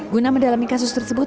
guna mendalami kasus tersebut